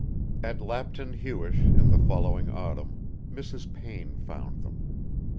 X At Lapton Huish, in the following autumn, Mrs. Payne found them.